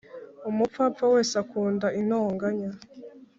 umupfapfa wese akunda intonganya